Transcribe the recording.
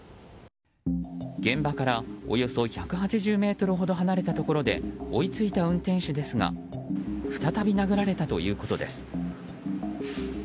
現場から、およそ１８０ｍほど離れたところで追いついた運転手ですが再び殴られたということです。